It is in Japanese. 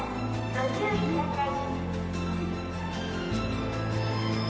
ご注意ください。